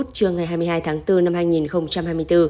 trưa ngày hai mươi hai tháng bốn năm hai nghìn hai mươi bốn